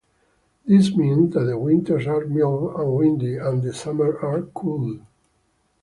This means that the winters are mild and windy and the summers are cool.